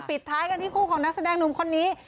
ปิดท้ายกันที่คู่ของนักแสดงหนุ่มคนนี้